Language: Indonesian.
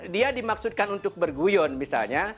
dia dimaksudkan untuk berguyon misalnya